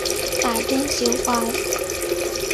大驚小怪